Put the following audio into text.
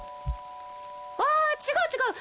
ああ違う違う！